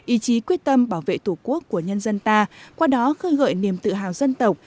ý chí quyết tâm bảo vệ tổ quốc của nhân dân ta qua đó khơi gợi niềm tự hào dân tộc